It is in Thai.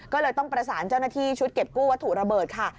ก็เลยต้องประสานเจ้าหน้าที่ชุดเก็บกู้วัตถุระเบิดค่ะ